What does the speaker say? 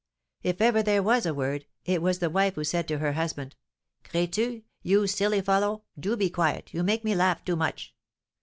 If ever there was a word, it was the wife who said to her husband, 'Crétu, you silly fellow, do be quiet, you make me laugh too much.'